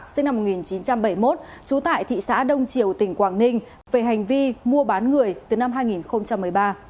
sinh năm một nghìn chín trăm bảy mươi một trú tại thị xã đông triều tỉnh quảng ninh về hành vi mua bán người từ năm hai nghìn một mươi ba